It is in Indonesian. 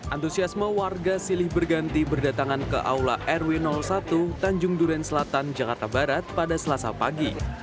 antusiasme warga silih berganti berdatangan ke aula rw satu tanjung duren selatan jakarta barat pada selasa pagi